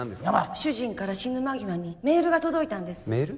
主人から死ぬ間際にメールが届いてメール？